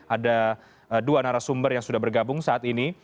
ada dua narasumber yang sudah bergabung saat ini